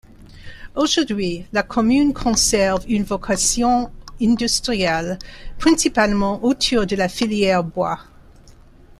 Aujourd'hui, la commune conserve une vocation industrielle, principalement autour de la filière bois.